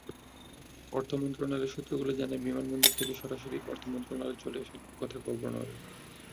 অর্থ মন্ত্রণালয়ের সূত্রগুলো জানায়, বিমানবন্দর থেকে সরাসরি অর্থ মন্ত্রণালয়ে চলে আসার কথা গভর্নরের।